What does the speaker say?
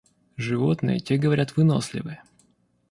Животные, те, говорят, выносливы.